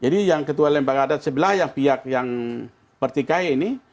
jadi yang ketua lembaga adat sebelah yang pihak yang pertikaian ini